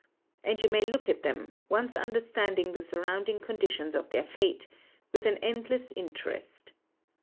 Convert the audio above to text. And you may look at them, once understanding the surrounding conditions of their fate, with an endless in terest.